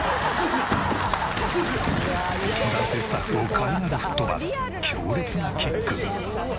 男性スタッフを軽々吹っ飛ばす強烈なキック。